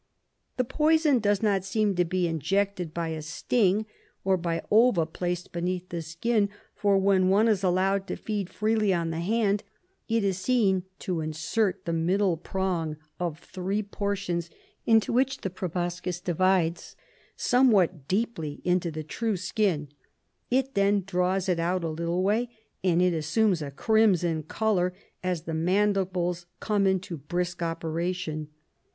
"The poison does not seem to be injected by a sting, or by ova placed beneath the skin, for, when one is allowed to feed freely on the hand, it is seen to insert the middle prong of three portions into which the proboscis divides, somewhat deeply into the true skin; it then draws it out a little way, and it assumes a crimson colour as the mandibles come into brisk operation.